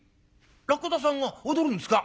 「らくださんが踊るんですか？」。